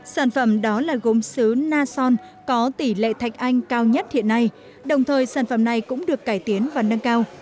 sản phẩm đó là gốm xứ na son có tỷ lệ thạch anh cao nhất hiện nay đồng thời sản phẩm này cũng được cải tiến và nâng cao